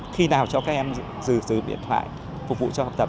khi nào cho các em sử dụng điện thoại phục vụ cho học tập